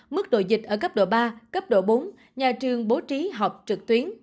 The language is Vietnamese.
mức độ dịch ở cấp độ ba cấp độ bốn nhà trường bố trí học trực tuyến